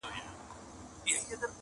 زورور غل په خپل کلي کي غلا نه کوي -